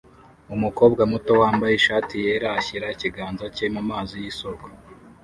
Umukobwa muto wambaye ishati yera ashyira ikiganza cye mumazi yisoko